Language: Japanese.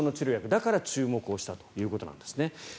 だから注目したということなんですね。